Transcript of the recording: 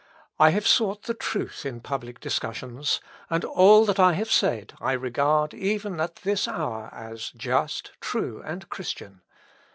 I have sought the truth in public discussions; and all that I have said I regard, even at this hour, as just, true, and Christian.